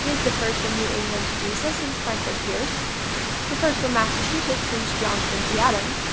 He is the first from New England to do so since Franklin Pierce; the first from Massachusetts since John Quincy Adams.